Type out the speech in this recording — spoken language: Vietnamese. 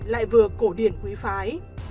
lại vừa cổ điển quý phái